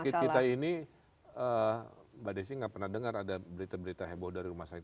sakit kita ini mbak desi nggak pernah dengar ada berita berita heboh dari rumah sakit